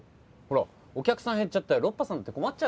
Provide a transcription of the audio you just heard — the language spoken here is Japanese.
ほらお客さん減っちゃったらロッパさんだって困っちゃうでしょ。